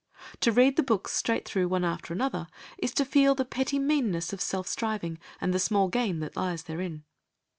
To read the books straight through one after the other is to feel the petty meanness of self striving, and the small gain that lies therein.